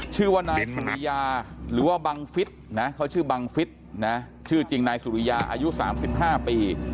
ชื่อว่านายสุริยาหรือว่าบังฟิศนะเขาชื่อบังฟิศนะชื่อจริงนายสุริยาอายุ๓๕ปี